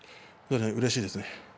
うれしいですね。